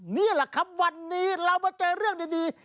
นี่แหละครับวันนี้เรามาเจอเรื่องดี